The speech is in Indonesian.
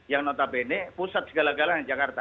yang notabene pusat segala galanya jakarta